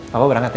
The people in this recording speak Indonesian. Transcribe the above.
papa berangkat ya